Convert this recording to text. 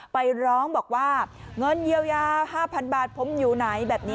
ไปร้องบอกว่าเงินเยียวยา๕๐๐บาทผมอยู่ไหนแบบนี้